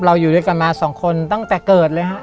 อยู่ด้วยกันมาสองคนตั้งแต่เกิดเลยฮะ